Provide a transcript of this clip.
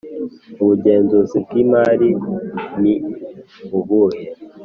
ubugenzuzi bw Imari niubuhe